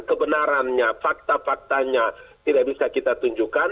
kebenarannya fakta faktanya tidak bisa kita tunjukkan